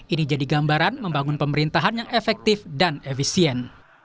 ini jadi gambaran membangun pemerintahan yang efektif dan efisien